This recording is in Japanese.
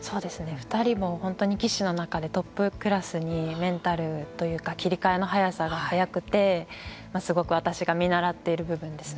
２人も本当に棋士の中でトップクラスにメンタルというか切り替えの早さが早くてすごく私が見習っている部分ですね。